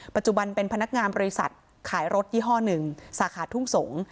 ปัจจุบันเป็นพนักงานบริษัทขายรถยี่ห้อหนึ่งสาขาทุ่งสงศ์